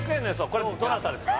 これどなたですか？